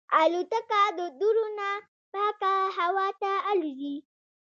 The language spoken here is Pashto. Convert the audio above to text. الوتکه د دوړو نه پاکه هوا کې الوزي.